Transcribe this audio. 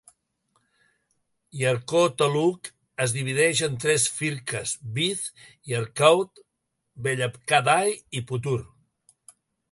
Yercaud Taluk es divideix en tres Firkas Viz., Yercaud, Vellakkadai i Puthur.